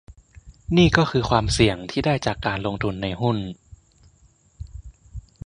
นี่ก็คือความเสี่ยงที่ได้จากการลงทุนในหุ้น